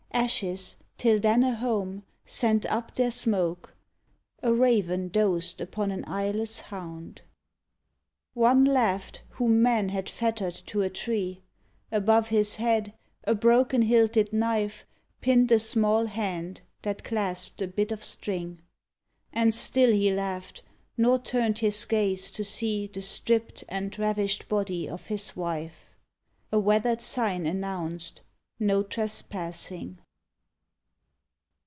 Ashes, till then a home, sent up their smoke: A raven dozed upon an eyeless hound. One laughed whom men had fettered to a tree. Above his head a broken hilted knife Pinned a small hand that clasped a bit of string. And still he laughed, nor turned his gaze to see The stripped and ravished body of his wife. A weathered sign announced : No Trespassing.